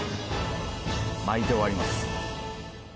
巻いて終わります。